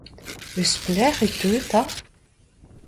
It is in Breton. Eus pelec’h e teu ’ta ?